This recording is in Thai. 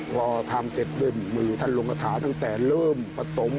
พอทำเสร็จด้วยมือท่านลงกระถาตั้งแต่เริ่มผสม